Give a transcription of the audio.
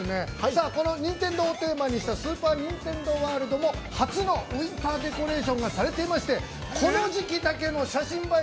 この任天堂をテーマにしたスーパー・ニンテンドー・ワールドも初のウインターデコレーションがされていまして、この時期だけの写真映え